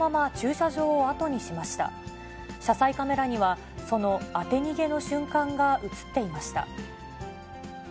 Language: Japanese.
車載カメラには、その当て逃げの瞬間が写っていました。